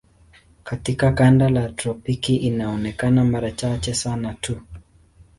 Katika kanda ya tropiki inaonekana mara chache sana tu.